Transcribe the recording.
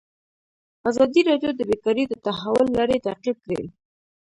ازادي راډیو د بیکاري د تحول لړۍ تعقیب کړې.